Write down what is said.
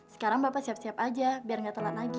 sekarang bapak siap siap aja biar gak telat lagi